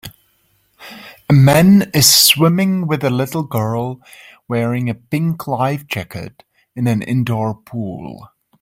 A man is swimming with a little girl wearing a pink life jacket in an indoor pool